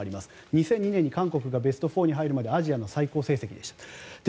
２００２年に韓国がベスト４に入るまでアジアの最高成績でした。